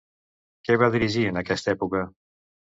Què va dirigir en aquesta època?